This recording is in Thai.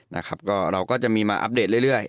นะครับก็เราก็จะมีมาอัปเดตเรื่อย